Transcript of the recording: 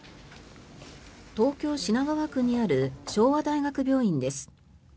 東京・品川区にある昭和大学病院です。